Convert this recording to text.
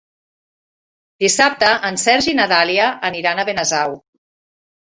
Dissabte en Sergi i na Dàlia aniran a Benasau.